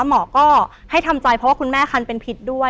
หมอก็ให้ทำใจเพราะว่าคุณแม่คันเป็นพิษด้วย